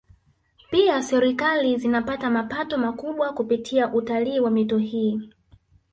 Pia Serikali zinapata mapato makubwa kupitia utalii wa mito hii